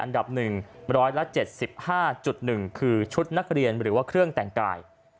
อันดับ๑๗๕๑คือชุดนักเรียนหรือว่าเครื่องแต่งกาย